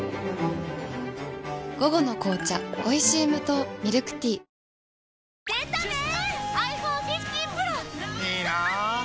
午後の紅茶おいしい無糖ミルクティーえ？